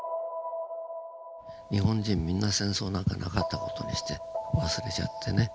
日本人みんな戦争なんかなかった事にして忘れちゃってね。